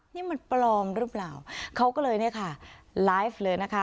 นี่มันปลอมหรือเปล่าเขาก็เลยเนี่ยค่ะไลฟ์เลยนะคะ